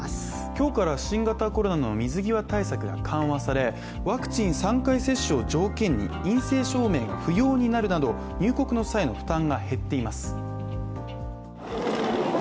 今日から新型コロナの水際対策が緩和されワクチン３回接種を条件に陰性証明が不要になるなど入国の際の負担が減っています。